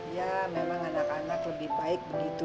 ya memang anak anak lebih baik begitu